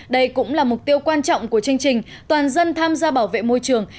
đây cũng là mục tiêu quan trọng của chương trình toàn dân tham gia bảo vệ môi trường